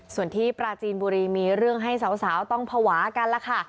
ส่วนที่ปราจีนบุรีมีเรื่องให้สาวต้องภาวะกันล่ะค่ะ